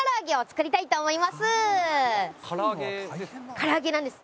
唐揚げなんです。